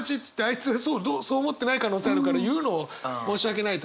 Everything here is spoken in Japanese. いつそう思ってない可能性あるから言うのを申し訳ないとかね。